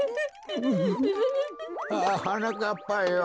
ああはなかっぱよ。